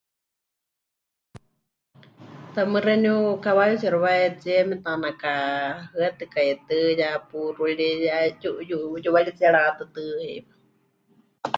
Tamɨ́ xeeníu kawayutsiixitsie wahetsíe metanakahɨatɨkaitɨ, ya puuxuri, ya yuwaritsie ratɨtɨ heiwa.